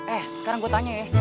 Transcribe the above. eh sekarang gue tanya ya